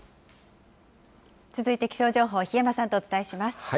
続いて気象情報、檜山さんとお伝えします。